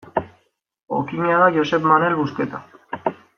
Okina da Josep Manel Busqueta.